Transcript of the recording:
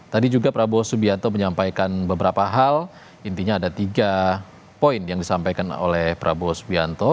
tadi juga prabowo subianto menyampaikan beberapa hal intinya ada tiga poin yang disampaikan oleh prabowo subianto